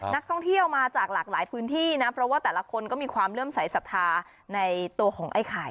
นักท่องเที่ยวมาจากหลากหลายพื้นที่นะเพราะว่าแต่ละคนก็มีความเริ่มสายศรัทธาในตัวของไอ้ไข่